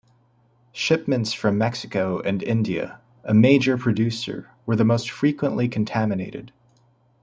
Shipments from Mexico and India, a major producer, were the most frequently contaminated.